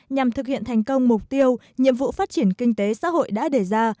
nhằm thực hiện thành công mục tiêu nhiệm vụ phát triển kinh tế xã hội đã đề ra